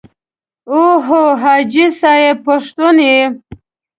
او هو حاجي صاحب پښتون یې.